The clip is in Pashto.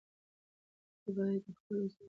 تاسو باید د خپل ځان په اړه فکر وکړئ.